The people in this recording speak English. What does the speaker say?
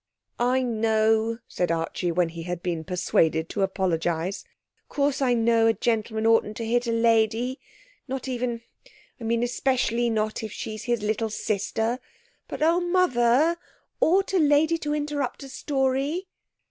'I know,' said Archie, when he had been persuaded to apologise, 'of course I know a gentleman oughtn't to hit a lady, not even I mean, especially not if she's his little sister. But oh, Mother, ought a lady to interrupt a story?'